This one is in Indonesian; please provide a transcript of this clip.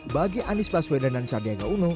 bagi anies baswedan dan sardegna